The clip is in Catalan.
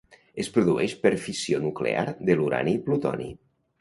Es produeix per fissió nuclear de l'urani i plutoni.